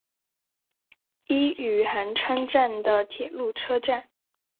伊予寒川站的铁路车站。